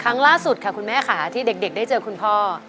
ครั้งล่าสุดค่ะคุณแม่ค่ะที่เด็กได้เจอคุณพ่อ